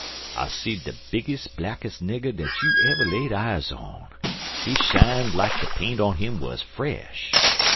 "I seed de biggest, blackest nigger dat you ever laid eyes on. He shined like de paint on 'im was fresh.